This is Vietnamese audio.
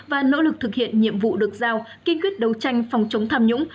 và nỗ lực thực hiện nhiệm vụ được giao kinh quyết đấu tranh phòng chống tham nhũng